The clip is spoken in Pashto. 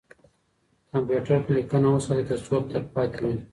کمپیوتر کې لیکنه وساتئ ترڅو تلپاتې وي.